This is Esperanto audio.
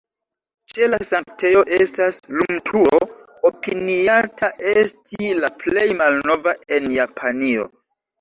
Ĉe la sanktejo estas lumturo, opiniata esti la plej malnova en Japanio.